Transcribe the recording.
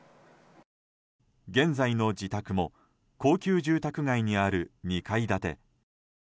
現在の自宅も高級住宅街にある２階建て。